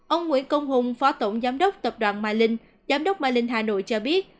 ông nguyễn công hùng phó tổng giám đốc tập đoàn mai linh giám đốc mai linh hà nội cho biết